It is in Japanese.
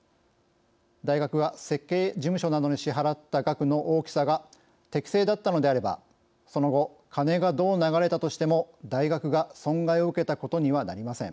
大学が設計事務所などに支払った額の大きさが適正だったのであればその後金がどう流れたとしても大学が損害を受けたことにはなりません。